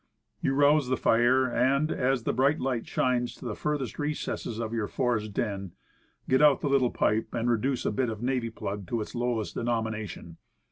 You rouse the fire, and, as the bright light shines to the furthest recesses of your forest den, get out the little pipe, and reduce a bit of navy plug to its lowest denomination.